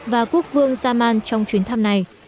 và quốc vương salman trong chuyến thăm này